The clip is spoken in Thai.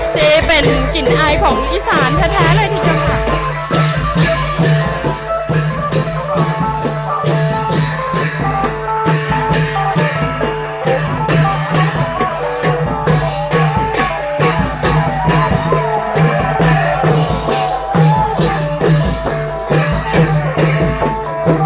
เจ๊เป็นกลิ่นอายของอีสานแท้เลยทีเดียวค่ะ